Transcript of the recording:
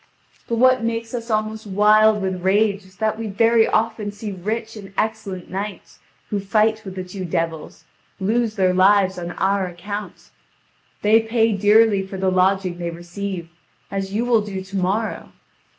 But what makes us almost wild with rage is that we very often see rich and excellent knights, who fight with the two devils, lose their lives on our account. They pay dearly for the lodging they receive, as you will do to morrow.